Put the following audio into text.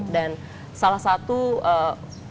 dan salah satu program kunci kita itu adalah